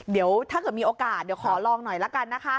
เดี๋ยวถ้าเกิดมีโอกาสเดี๋ยวขอลองหน่อยละกันนะคะ